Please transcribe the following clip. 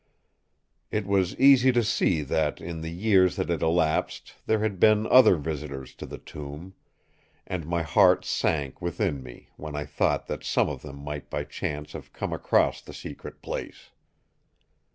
It was easy to see that in the years that had elapsed there had been other visitors to the tomb; and my heart sank within me when I thought that some of them might by chance have come across the secret place.